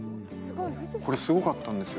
これすごかったんですよ。